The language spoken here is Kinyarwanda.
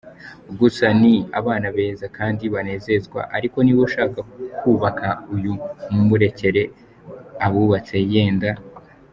Gusa ni ‘abana beza’ kandi banezerwa, ariko niba ushaka kubaka uyu murekere abubatse yenda!.